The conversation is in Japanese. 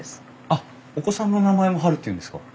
あっお子さんの名前もハルっていうんですか？